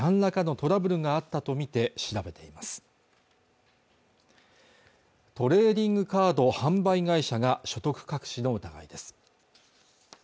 トレーディングカード販売会社が所得隠しの疑いです